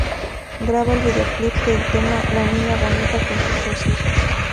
Graba el videoclip de el tema "La niña bonita" con sus dos hijas.